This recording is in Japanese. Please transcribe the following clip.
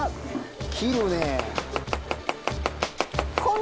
切るね。